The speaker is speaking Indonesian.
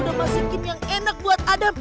udah masih bikin yang enak buat adam